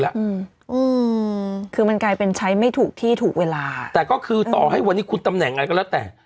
อืมคือมันกลายเป็นใช้ไม่ถูกที่ถูกเวลาแต่ก็คือต่อให้วันนี้คุณตำแหน่งอะไรก็แล้วแต่